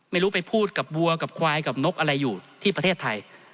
ไม่รู้ไปพูดกับวัวกับควายกับนกอะไรอยู่ที่ประเทศไทย